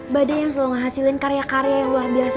badai yang selalu menghasilkan karya karya yang luar biasa